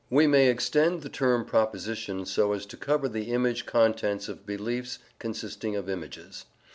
We may extend the term "proposition" so as to cover the image contents of beliefs consisting of images.